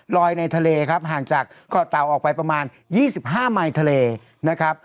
ในทะเลครับห่างจากเกาะเตาออกไปประมาณ๒๕ไมล์ทะเลนะครับ